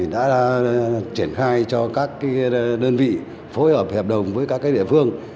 đã triển khai cho các đơn vị phối hợp hiệp đồng với các địa phương